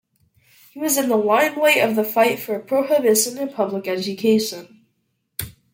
He was in the limelight of the fight for prohibition and public education.